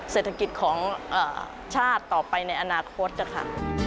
เศรษฐกิจของชาติต่อไปในอนาคตนะคะ